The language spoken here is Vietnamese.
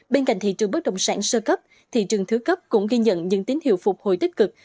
bên cạnh thị trường bất động sản sơ cấp thị trường thứ cấp cũng ghi nhận những tín hiệu phục hồi tích cực